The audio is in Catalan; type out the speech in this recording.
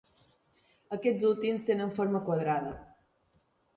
Aquests últims tenen forma quadrada.